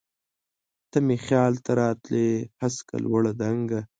ته مي خیال ته راتلی هسکه، لوړه، دنګه